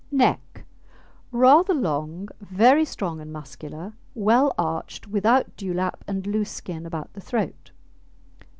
NECK Rather long, very strong and muscular, well arched, without dewlap and loose skin about the throat.